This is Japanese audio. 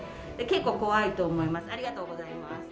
結構、怖いと思います。